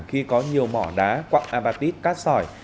khi có nhiều mỏ đá quặng abatis cát sỏi